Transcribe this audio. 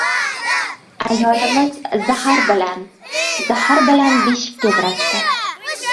Ayolimiz zahar bilan-zahar bilan beshik tebratdi.